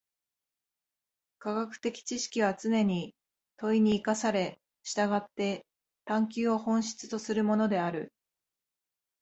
科学的知識はつねに問に生かされ、従って探求を本質とするものである。